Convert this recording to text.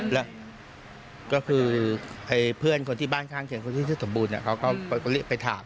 แล้วก็คือเพื่อนคนที่บ้านข้างเคียงคนที่ชื่อสมบูรณ์เขาก็เรียกไปถาม